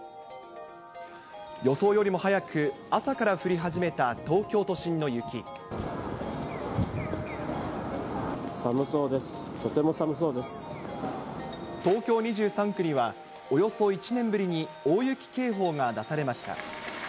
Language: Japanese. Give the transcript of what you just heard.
予想よりも早く朝から降り始寒そうです、とても寒そうで東京２３区には、およそ１年ぶりに大雪警報が出されました。